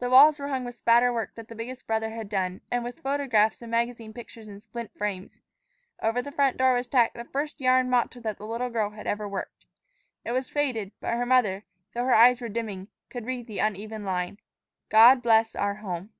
The walls were hung with spatter work that the biggest brother had done, and with photographs and magazine pictures in splint frames. Over the front door was tacked the first yarn motto that the little girl had ever worked. It was faded, but her mother, though her eyes were dimming, could read the uneven line: "God Bless Our Home."